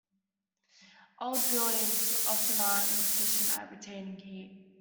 Old buildings often are inefficient at retaining heat.